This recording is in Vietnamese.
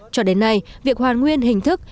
cho đến nay việc hoàn nguyên hình thức